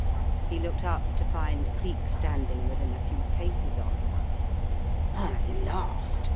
He looked up to find Cleek standing within a few paces of him. "At last!"